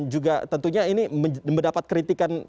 juga tentunya ini mendapat kritikan